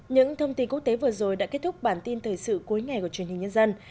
những thông tin quốc tế vừa rồi đã kết thúc bản tin thời sự cuối ngày của truyền hình nhân dân